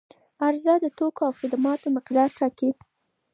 عرضه د توکو او خدماتو مقدار ټاکي.